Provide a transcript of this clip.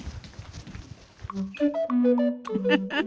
フフフフ。